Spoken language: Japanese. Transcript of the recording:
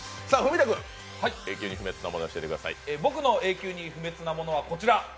僕の永久に不滅なものはこちら。